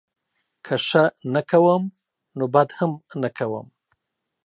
که ښه نه کوم نوبدهم نه کوم